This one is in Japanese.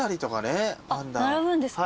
並ぶんですか？